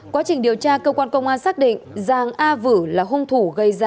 quá trình điều tra cơ quan công an xác định giang a vử là hôn thủ